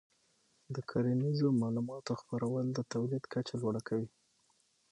د کرنیزو معلوماتو خپرول د تولید کچه لوړه کوي.